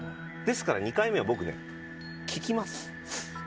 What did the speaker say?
ですから２回目は、聞きます。